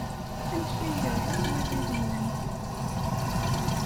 Amek ay yerreẓ yiɣil-nnem?